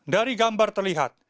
dari gambar terlihat